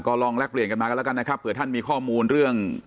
ลองแลกเปลี่ยนกันมากันแล้วกันนะครับเผื่อท่านมีข้อมูลเรื่อง